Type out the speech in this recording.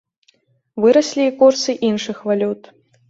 Выраслі і курсы іншых валют.